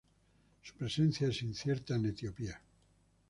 Su presencia es incierta en Etiopía.